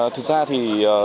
thực ra thì